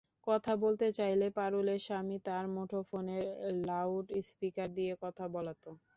কথা বলতে চাইলে পারুলের স্বামী তাঁর মুঠোফোনের লাউড স্পিকার দিয়ে কথা বলাত।